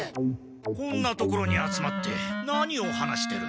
こんな所に集まって何を話してる？